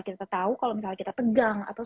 kita tahu kalau misalnya kita pegang atau